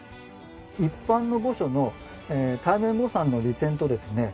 一般の墓所の対面墓参の利点とですね